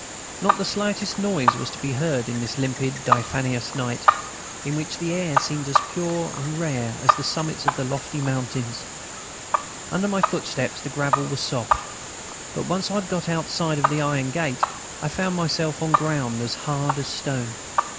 Not the slightest noise was to be heard in the limpid, diaphanous night, in which the air seemed as pure and rare as on the summits of lofty mountains. Under my footsteps the gravel felt soft, but, once I had got outside the iron gate, I found myself on ground as hard as stone.